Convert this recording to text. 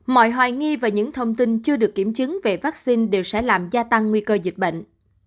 mọi hoài nghi và những thông tin chưa được kiểm chứng về vaccine đều sẽ làm gia tăng nguy cơ dịch bệnh